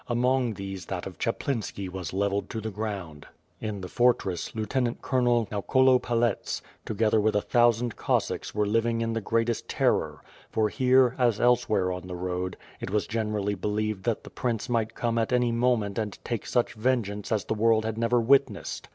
Among these that of Chaplinski was levelled to the ground. In the fortress, Lieutenant Colonel Naokolo Palets, together with a thousand Cossacks were liv ing in the greatest terror, for here, as elsewhere on the road, it was generally believed that the prince might come at any moment and take such vengenance as the world had never witnessed.